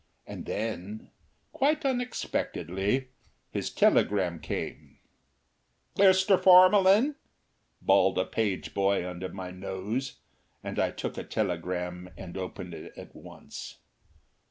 And then, quite unexpectedly, his telegram came. "Mr. Formalyn!" bawled a page boy under my nose, and I took the telegram and opened it at once.